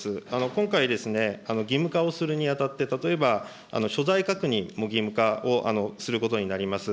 今回、義務化をするにあたって、例えば所在確認も義務化をすることになります。